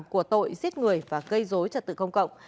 của tội giết người và gây dối trật tự công cộng